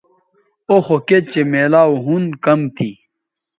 او خو کِت چہء میلاو ھُن کم تھی